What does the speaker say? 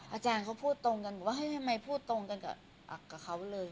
อาจารย์เขาพูดตรงกันบอกว่าเฮ้ยทำไมพูดตรงกันกับเขาเลย